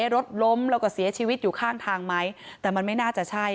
รถล้มแล้วก็เสียชีวิตอยู่ข้างทางไหมแต่มันไม่น่าจะใช่